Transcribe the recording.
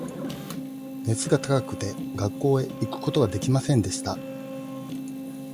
熱が高くて、学校へ行くことができませんでした。